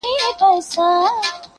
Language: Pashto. o هغه وایي روژه به نور زما په اذان نسې,